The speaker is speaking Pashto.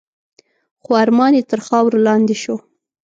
خو ارمان یې تر خاورو لاندي شو .